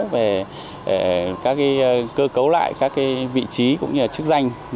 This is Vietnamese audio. về các cơ cấu lại các vị trí cũng như là chức danh